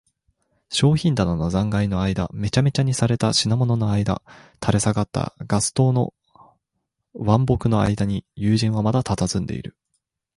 商品棚の残骸のあいだ、めちゃめちゃにされた品物のあいだ、垂れ下がったガス燈の腕木のあいだに、友人はまだたたずんでいる。